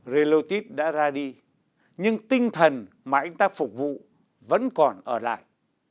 relotip đã ra đi nhưng tinh thần mà anh ta phục vụ vẫn còn ở lại